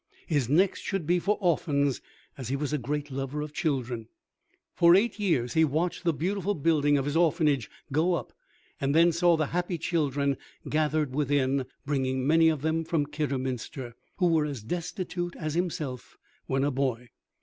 his next should be for orphans, as he was a great lover of children. For eight years he watched the beautiful buildings of his Orphanage go up, and then saw the happy children gathered within, bringing many of them from Kidderminster, who were as destitute as himself when a boy.